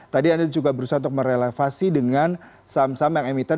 tadi anda juga berusaha untuk merelevasi dengan saham saham yang emiten